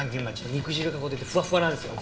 肉汁がこう出てふわふわなんですよ。